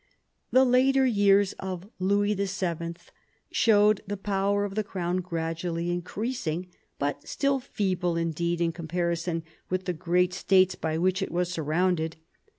The later years of Louis VII. showed the power of the crown gradually increasing, but still feeble indeed in comparison with the great states by which it was surrounded.